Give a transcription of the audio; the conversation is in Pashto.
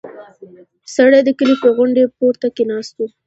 سړی د کلي په غونډۍ پورته کې ناست و.